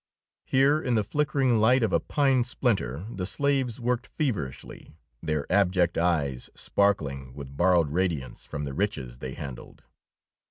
Here in the flickering light of a pine splinter the slaves worked feverishly, their abject eyes sparkling with borrowed radiance from the riches they handled.